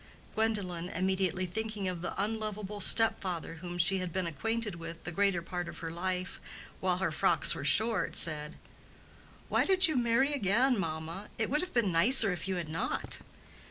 Gwendolen, immediately thinking of the unlovable step father whom she had been acquainted with the greater part of her life while her frocks were short, said, "Why did you marry again, mamma? It would have been nicer if you had not."